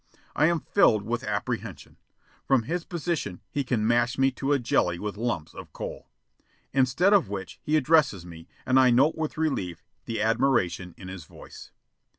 I am filled with apprehension. From his position he can mash me to a jelly with lumps of coal. Instead of which he addresses me, and I note with relief the admiration in his voice.